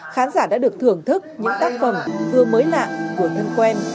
khán giả đã được thưởng thức những tác phẩm vừa mới lạ vừa thân quen